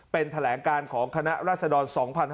เป็นแถลงการของคณะราษฎร๒๕๕๙